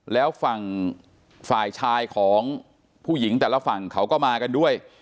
แล้วฝั่งฝ่ายชายของผู้หญิงแต่ละฝั่งเขาก็มากันด้วย